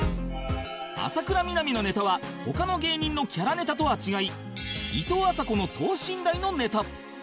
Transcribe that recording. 浅倉南のネタは他の芸人のキャラネタとは違いいとうあさこの等身大のネタ